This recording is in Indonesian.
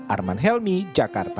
arman helmi jakarta